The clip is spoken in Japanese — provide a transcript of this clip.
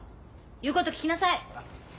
言うこと聞きなさい。